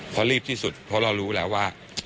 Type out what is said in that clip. เพราะรีบที่สุดเพราะเรารู้แล้วว่า